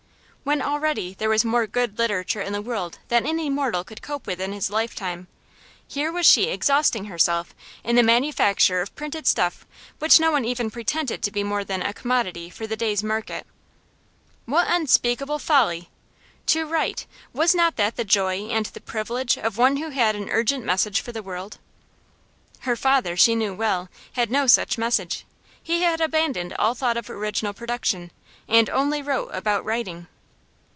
When already there was more good literature in the world than any mortal could cope with in his lifetime, here was she exhausting herself in the manufacture of printed stuff which no one even pretended to be more than a commodity for the day's market. What unspeakable folly! To write was not that the joy and the privilege of one who had an urgent message for the world? Her father, she knew well, had no such message; he had abandoned all thought of original production, and only wrote about writing.